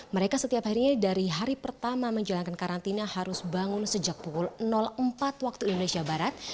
mereka setiap harinya dari hari pertama menjalankan karantina harus bangun sejak pukul empat waktu indonesia barat